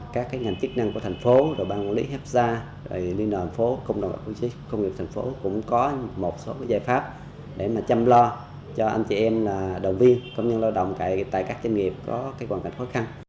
các ngành chức năng của thành phố bang quản lý hepsa liên hợp phố công nghiệp thành phố cũng có một số giải pháp để chăm lo cho anh chị em đồng viên công nhân lao động tại các doanh nghiệp có hoàn cảnh khó khăn